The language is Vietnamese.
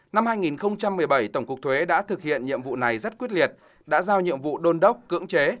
năm hai nghìn một mươi bảy tổng cục thuế đã thực hiện nhiệm vụ này rất quyết liệt đã giao nhiệm vụ đôn đốc cưỡng chế